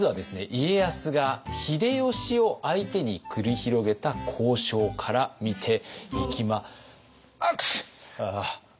家康が秀吉を相手に繰り広げた交渉から見ていきまはくしゅん！